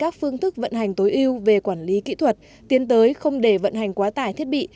các phương thức vận hành tối ưu về quản lý kỹ thuật tiến tới không để vận hành quá tải thiết bị